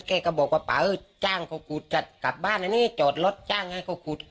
แกก็บอกว่าเป๋าจ้างเขาขุดจัดกลับบ้านอันนี้จอดรถจ้างให้เขาขุด